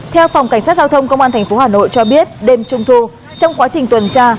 theo phòng cảnh sát giao thông công an tp hà nội cho biết đêm trung thu trong quá trình tuần tra